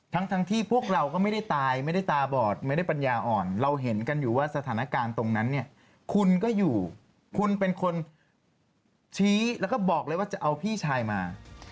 ทั้งที่พวกเราก็ไม่ได้ตายไม่ได้ตาบอดไม่ได้ปัญญาอ่อนเราเห็นกันอยู่ว่าสถานการณ์ตรงนั้นเนี่ยคุณก็อยู่คุณเป็นคนชี้แล้วก็บอกเลยว่าจะเอาพี่ชายมา